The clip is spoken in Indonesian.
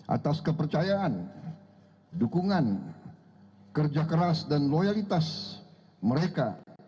atas kepercayaan dukungan kerja keras dan loyalitas mereka